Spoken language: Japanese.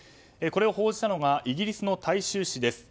これを報じたのがイギリスの大衆紙です。